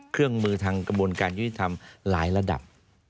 เครื่องมือทางกระบวนการยุติธรรมหลายระดับ